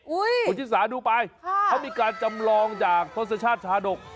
อุ๊ยคุณชินศาดูไปเขามีการจำลองจากทศชาติธรรมดิกษ์